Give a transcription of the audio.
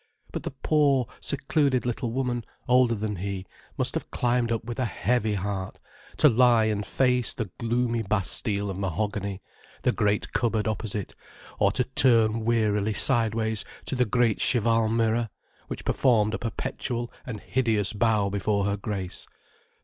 But the poor, secluded little woman, older than he, must have climbed up with a heavy heart, to lie and face the gloomy Bastille of mahogany, the great cupboard opposite, or to turn wearily sideways to the great cheval mirror, which performed a perpetual and hideous bow before her grace.